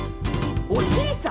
おじいさん。